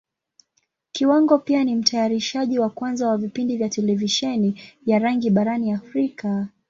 Kiwango pia ni Mtayarishaji wa kwanza wa vipindi vya Televisheni ya rangi barani Africa.